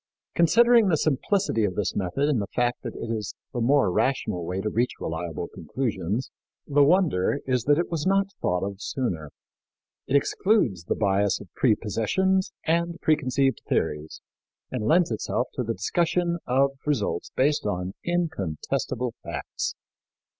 Considering the simplicity of this method and the fact that it is the more rational way to reach reliable conclusions, the wonder is that it was not thought of sooner. It excludes the bias of prepossessions and preconceived theories and lends itself to the discussion of results based on incontestable facts.